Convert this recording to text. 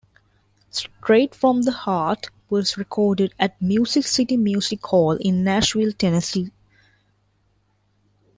"Strait from the Heart" was recorded at Music City Music Hall in Nashville, Tennessee.